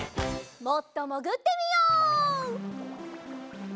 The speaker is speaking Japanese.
もっともぐってみよう。